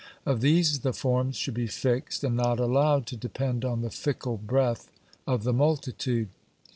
Of these the forms should be fixed, and not allowed to depend on the fickle breath of the multitude.